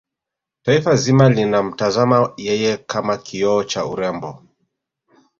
taifa zima linamtazama yeye kama kioo cha urembo